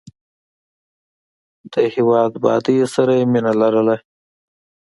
د هېواد بادۍ سره یې مینه لرله.